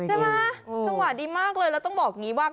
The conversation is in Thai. จังหวะดีมากเลยแล้วต้องบอกอย่างนี้ว่า